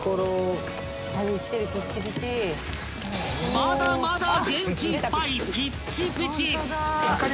［まだまだ元気いっぱい！ピッチピチ！］